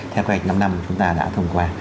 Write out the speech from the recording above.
theo kế hoạch năm năm chúng ta đã thông qua